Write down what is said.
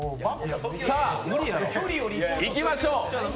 さあ、いきましょう。